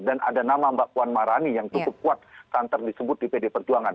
dan ada nama mbak puan marani yang cukup kuat kantor disebut di pd perjuangan